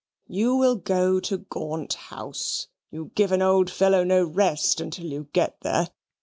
You will go to Gaunt House. You give an old fellow no rest until you get there.